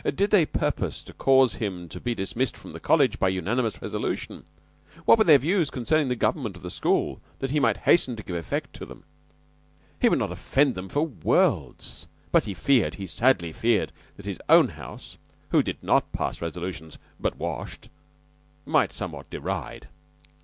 Did they purpose to cause him to be dismissed from the College by unanimous resolution? What were their views concerning the government of the school, that he might hasten to give effect to them? he would not offend them for worlds; but he feared he sadly feared that his own house, who did not pass resolutions (but washed), might somewhat deride.